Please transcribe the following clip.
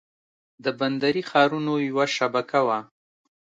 د بندري ښارونو یوه شبکه وه.